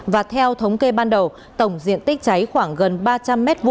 và theo thống kê ban đầu tổng diện tích cháy khoảng gần ba trăm linh m hai